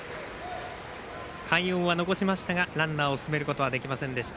快音は残しましたがランナーを進めることはできませんでした。